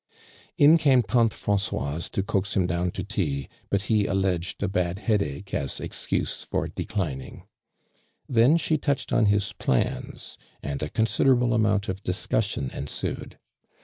In came tante Francoise to coax him <lown to tea, but he alleged a bad headache aa r^x^uae for declining. Then she touched on his plans and a consitlerable amount of diacussion ensued.